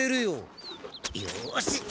よし！